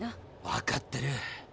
わかってる。